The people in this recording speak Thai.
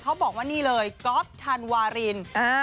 บอกว่านี่เลยก๊อฟธันวาริน